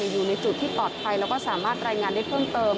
อยู่ในจุดที่ปลอดภัยแล้วก็สามารถรายงานได้เพิ่มเติม